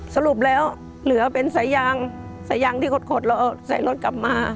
สรุปแล้วเหลือเป็นสายยางสายยางที่ขดแล้วเอาใส่รถกลับมา